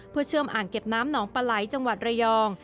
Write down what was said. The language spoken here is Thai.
เพื่อเชื่อมอ่างเก็บน้ำหนองปลาไหลจังหวัดระยอง